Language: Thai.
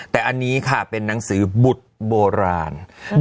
แต่อันนี้ค่ะเป็นหนังสือบุตรโบราณ